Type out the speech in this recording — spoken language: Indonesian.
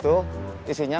bukankah sudah visitasinya